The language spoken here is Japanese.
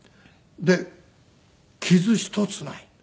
で傷ひとつない。